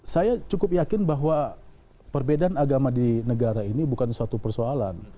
saya cukup yakin bahwa perbedaan agama di negara ini bukan suatu persoalan